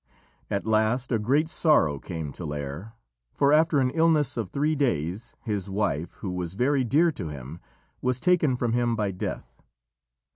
At last a great sorrow came to Lîr, for after an illness of three days his wife, who was very dear to him, was taken from him by death.